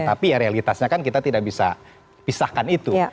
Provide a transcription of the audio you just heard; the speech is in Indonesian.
tapi ya realitasnya kan kita tidak bisa pisahkan itu